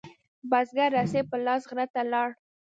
بزگر رسۍ په لاس غره ته لاړ.